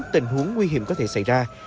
tình huống nguy hiểm có thể xảy ra